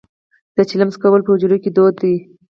د چلم څکول په حجرو کې دود دی.